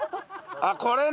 あっこれね。